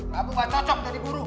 kamu gak cocok jadi buruh